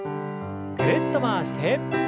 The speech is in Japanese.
ぐるっと回して。